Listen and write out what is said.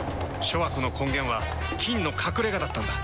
諸悪の根源は「菌の隠れ家」だったんだ。